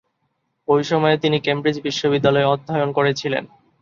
ঐ সময়ে তিনি কেমব্রিজ বিশ্ববিদ্যালয়ে অধ্যয়ন করেছিলেন।